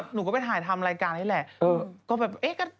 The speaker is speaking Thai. หนูก็ไปถ่ายทำรายการนี่แหละ